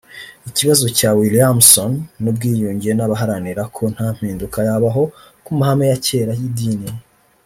Ikibazo cya Williamson n’ubwiyunge n’abaharanira ko nta mpinduka yabaho ku mahame ya cyera y’idini